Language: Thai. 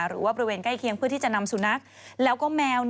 บริเวณใกล้เคียงเพื่อที่จะนำสุนัขแล้วก็แมว